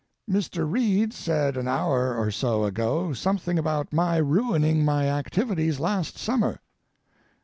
Mr. Reid said an hour or so ago something about my ruining my activities last summer.